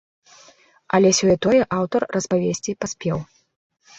Але сёе-тое аўтар распавесці паспеў.